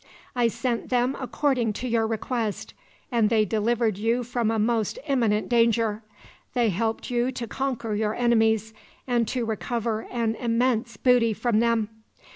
I sent them according to your request, and they delivered you from a most imminent danger. They helped you to conquer your enemies, and to recover an immense booty from them.